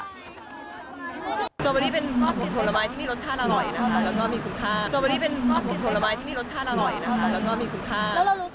ตัวนี้เป็นผลไม้ที่มีรสชาติอร่อยนะคะและมีคุณค่า